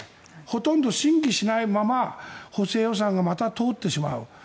ほとんど審議しないまま補正予算がまた通ってしまう。